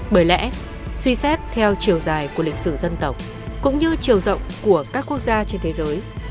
bởi lẽ suy xét theo chiều dài của lịch sử dân tộc cũng như chiều rộng của các quốc gia trên thế giới